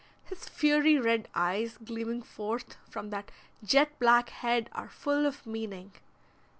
His fiery red eyes gleaming forth from that jet black head are full of meaning.